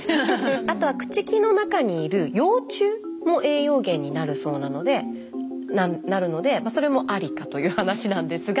あとは朽ち木の中にいる幼虫も栄養源になるそうなのでそれもありかという話なんですが。